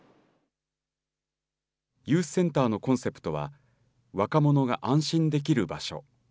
ユースセンターのコンセプトは若者が安心できる場所。